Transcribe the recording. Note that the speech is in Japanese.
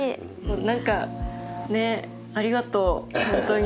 何かねっありがとう本当に。